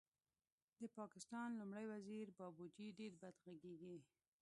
د پاکستان لومړی وزیر بابوجي ډېر بد غږېږي